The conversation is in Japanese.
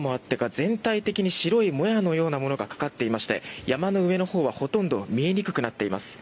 全体的に白いもやのようなものがかかっていまして山の上のほうは、ほとんど見えにくくなっています。